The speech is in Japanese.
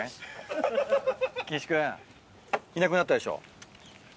岸君いなくなったでしょ。